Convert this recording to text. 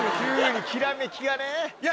きらめきがね。